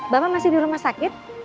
bapak masih di rumah sakit